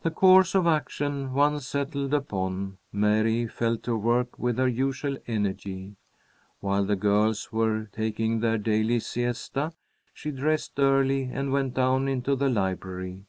The course of action once settled upon, Mary fell to work with her usual energy. While the girls were taking their daily siesta, she dressed early and went down into the library.